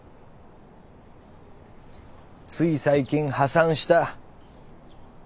つい最近「破産」した。